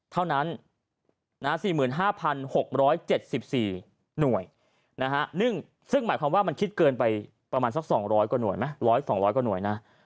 ๔๕๖๑๔หน่วยซึ่งหมายความว่ามันคิดเกินไปประมาณสัก๒๐๐กว่านวย